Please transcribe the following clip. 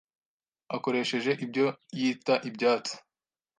akoresheje ibyo yita ibyatsi